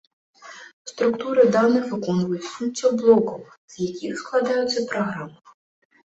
Структуры даных выконваюць функцыю блокаў, з якіх складаюцца праграмы.